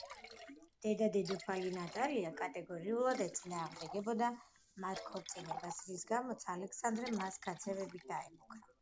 დედა-დედოფალი ნატალია კატეგორიულად ეწინააღმდეგებოდა მათ ქორწინებას, რის გამოც ალექსანდრე მას გაძევებით დაემუქრა.